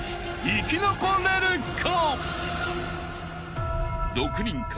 ［生き残れるか！？］